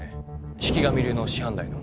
四鬼神流の師範代の。